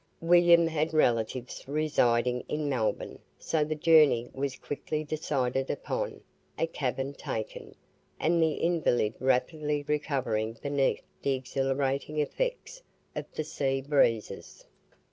William had relatives residing in Melbourne, so the journey was quickly decided upon, a cabin taken; and the invalid rapidly recovering beneath the exhilarating effects of the sea breezes.